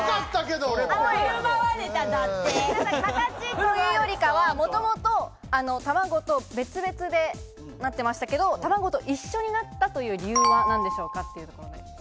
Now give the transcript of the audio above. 皆さん、形というよりかはもともと卵と別々でなってましたけど、卵と一緒になったという理由は何でしょうかっていう問題です。